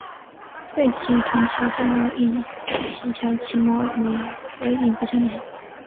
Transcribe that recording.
背鳍与臀鳍的最后一鳍条鳍膜与尾柄不相连。